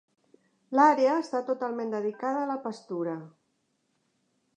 L'àrea està totalment dedicada a la pastura.